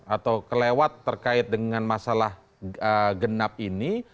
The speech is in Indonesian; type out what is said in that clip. atau kelewat terkait dengan masalah genap ini